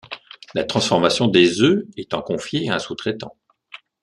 La transformation des œufs étant confiée à un sous-traitant.